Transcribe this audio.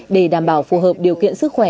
để đảm bảo phù hợp điều kiện sức khỏe